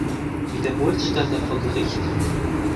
Wiederholt stand er vor Gericht.